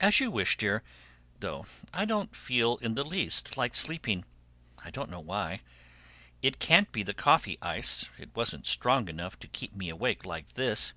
"As you wish, dear, though I don't feel in the least like sleeping. I don't know why; it can't be the coffee ice it wasn't strong enough to keep me awake like this.